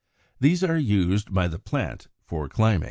These are used by the plant for climbing.